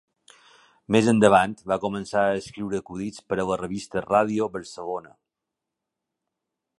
Més endavant va començar a escriure acudits per a la revista Ràdio Barcelona.